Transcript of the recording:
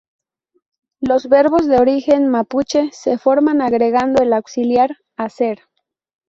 Los verbos de origen mapuche se forman agregando el auxiliar "hacer".